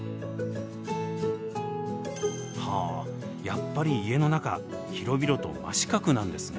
はあやっぱり家の中広々と真四角なんですね。